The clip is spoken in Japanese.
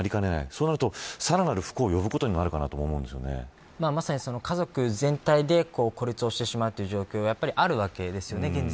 そうなると、さらなる不幸を呼ぶことにもなるかなとまさに家族全体で孤立をしてしまうという状況はあるわけです。